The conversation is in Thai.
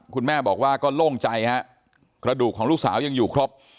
คุณแม่บอกว่าก็โล่งใจฮะกระดูกของลูกสาวยังอยู่ครบ